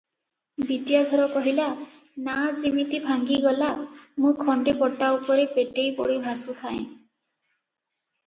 ବିଦ୍ୟାଧର କହିଲା, "ନାଆ ଯିମିତି ଭାଙ୍ଗିଗଲା, ମୁଁ ଖଣ୍ଡେ ପଟା ଉପରେ ପେଟେଇ ପଡ଼ି ଭାସୁଥାଏଁ ।